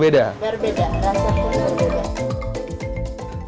berbeda rasa pun berbeda